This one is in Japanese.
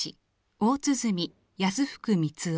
大鼓安福光雄。